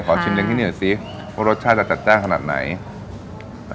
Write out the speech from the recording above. ขอชิมเล้งที่นี่เวลาสินะครับว่ารสชาติจะจัดจ้างขนาดไหนใช่